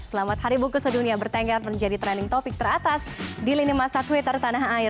selamat hari buku sedunia bertengkar menjadi trending topic teratas di lini masa twitter tanah air